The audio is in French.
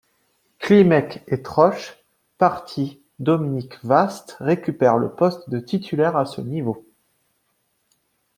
Klimek et Troch partis, Dominique Vaast récupère le poste de titulaire à ce niveau.